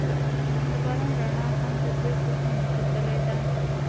د باران رڼا هم د دوی په زړونو کې ځلېده.